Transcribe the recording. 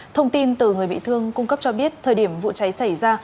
thông tin từ người bị thương cung cấp cho biết thời điểm vụ cháy xảy ra